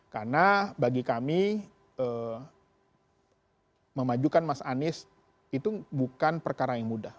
karena bagi kami memajukan mas anies itu bukan perkara yang mudah